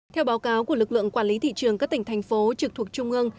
theo báo cáo của lực lượng quản lý thị trường các tỉnh thành phố trực thuộc trung ương